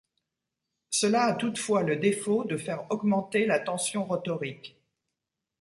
Cela a toutefois le défaut de faire augmenter la tension rotorique.